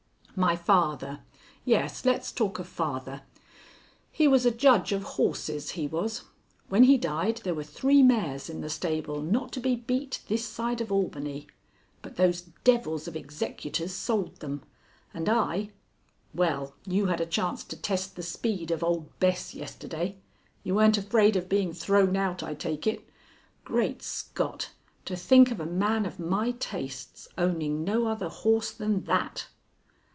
"My father yes, let's talk of father. He was a judge of horses, he was. When he died, there were three mares in the stable not to be beat this side of Albany, but those devils of executors sold them, and I well, you had a chance to test the speed of old Bess yesterday. You weren't afraid of being thrown out, I take it. Great Scott, to think of a man of my tastes owning no other horse than that!"